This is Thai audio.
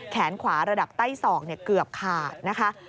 แขนขวาระดับใต้ศอกเกือบขาดนะคะ